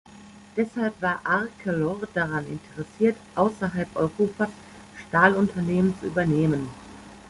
Deshalb war Arcelor daran interessiert, außerhalb Europas Stahlunternehmen zu übernehmen.